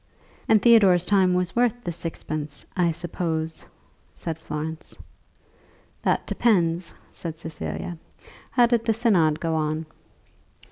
"And Theodore's time was worth the sixpence, I suppose," said Florence. "That depends," said Cecilia. "How did the synod go on?"